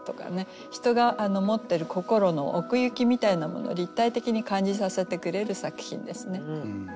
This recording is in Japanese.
人が持ってる心の奥行きみたいなもの立体的に感じさせてくれる作品ですね。